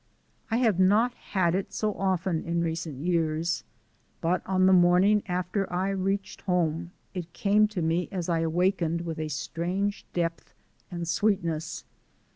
I have not had it so often in recent years, but on the morning after I reached home it came to me as I awakened with a strange depth and sweetness.